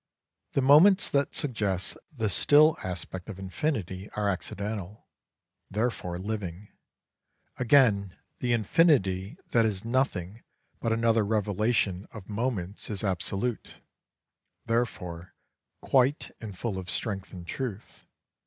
The moments that suggest the still aspect of infinity are accidental, therefore living ; again the infinity that is nothing but another revelation of moments is absolute, therefore quiet and full of strength and truth.